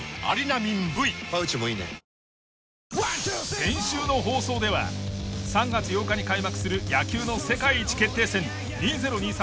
先週の放送では３月８日に開幕する野球の世界一決定戦２０２３